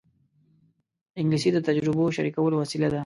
انګلیسي د تجربو شریکولو وسیله ده